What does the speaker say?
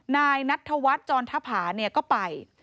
นายนัทธวัฒน์จรทภาเนี่ยก็ไป